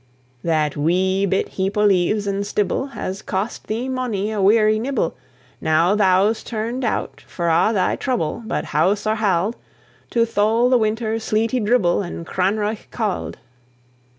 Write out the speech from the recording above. That wee bit heap o' leaves and stibble Has cost thee monie a weary nibble! Now thou's turned out for a' thy trouble, But house or hald, To thole the winter's sleety dribble, And cranreuch cauld!